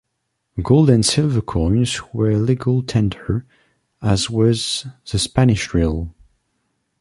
Gold and silver coins were legal tender, as was the Spanish real.